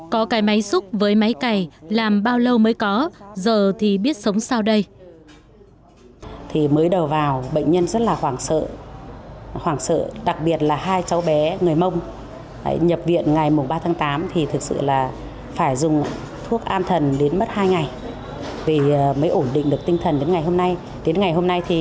có cái máy xúc với máy cày làm bao lâu mới có giờ thì biết sống sao đây